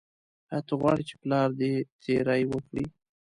ایا ته غواړې چې پلار دې تیری وکړي.